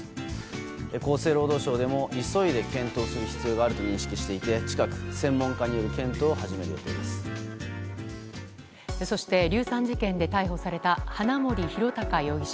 厚生労働省でも急いで検討する必要があると認識していて近く専門家によるそして、硫酸事件で逮捕された花森弘卓容疑者。